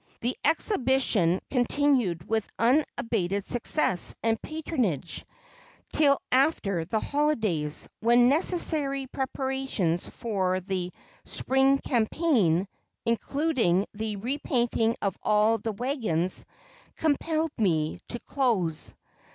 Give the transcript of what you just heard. The exhibition continued with unabated success and patronage till after the holidays, when necessary preparations for the spring campaign, including the repainting of all the wagons, compelled me to close.